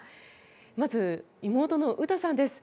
まず、妹の詩さんです。